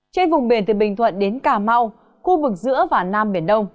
trên vùng biển từ bình thuận đến cà mau khu vực giữa và nam biển đông